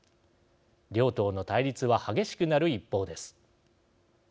両党の対立は激しくなる一方です。